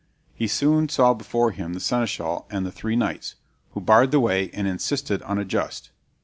He soon saw before him the Seneschal and the three knights, who barred the way, and insisted on a just.